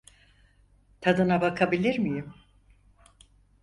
Tadına bakabilir miyim?